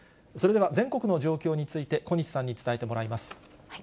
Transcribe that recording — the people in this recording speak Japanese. それでは、全国の状況について、小西さんに伝えてもらいます。